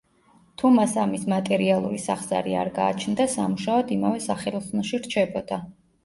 თუ მას ამის მატერიალური სახსარი არ გააჩნდა სამუშაოდ იმავე სახელოსნოში რჩებოდა.